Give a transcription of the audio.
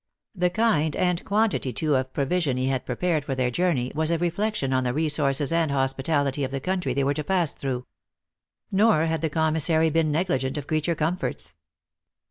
The kind, and quan tity, too, of provision he had prepared for their jour ney, was a reflection on the resources and hospitality THE ACTKESS IN HIGH LIFE. 117 of the country they were to pass through. Nor had the commissary been negligent of creature comforts.